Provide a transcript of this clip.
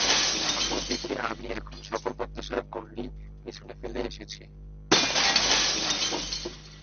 অন্যদিকে, আমি এখন সকল প্রত্যাশার গন্ডি পেছনে ফেলে আসছি।